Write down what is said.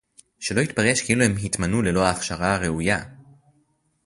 שלא יתפרש כאילו הם התמנו ללא ההכשרה הראויה